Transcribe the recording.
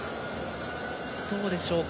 どうでしょうか。